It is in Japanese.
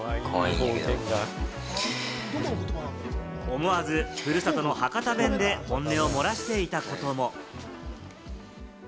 思わず、ふるさとの博多弁で本音を漏らしていたことも。